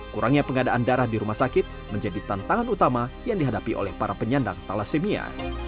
kurangnya pengadaan darah di rumah sakit menjadi tantangan utama yang dihadapi oleh para penyandang thalassemia